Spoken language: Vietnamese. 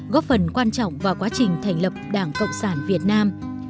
góp phần quan trọng vào quá trình thành lập đảng cộng sản việt nam